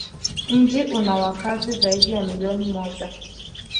Mji una wakazi zaidi ya milioni moja.